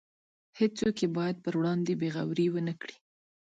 هیڅوک یې باید پر وړاندې بې غورۍ ونکړي.